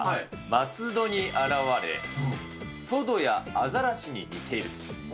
松戸に現れ、トドやアザラシに似ている。